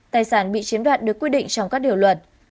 tài sản bị chiếm đoạt được quy định trong các điều luật